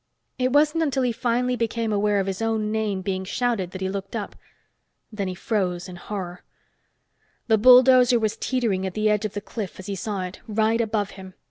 It wasn't until he finally became aware of his own name being shouted that he looked up. Then he froze in horror. The bulldozer was teetering at the edge of the cliff as he saw it, right above him.